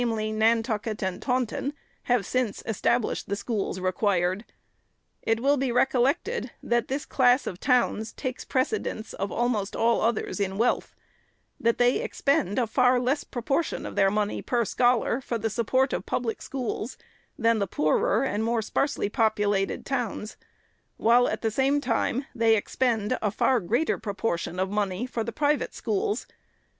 Nantucket and Taunton, have since established the schools required. It will be recollected, that this class of towns takes precedence of almost all the others in wealth ; that they expend a far less proportion of money, per scholar, for the support of public schools, than the poorer and more sparsely populated towns, while, at the same time, they expend a far greater proportion of money for private schools.